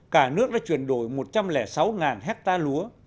cả nước đã chuyển đổi một trăm linh sáu hectare lúa